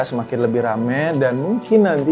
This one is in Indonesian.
semakin lebih rame dan mungkin nanti